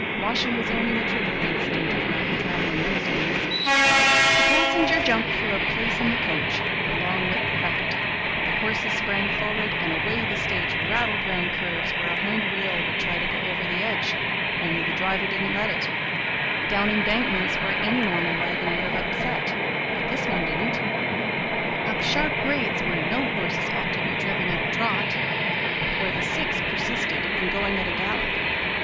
Washing was only a trivial incident of mountain travel in those days. The passenger jumped for a place in the coach; the long whip cracked. The horses sprang forward; and away the stage rattled round curves where a hind wheel would try to go over the edge only the driver didn't let it; down embankments where any normal wagon would have upset, but this one didn't; up sharp grades where no horses ought to be driven at a trot, but where the six persisted in going at a gallop!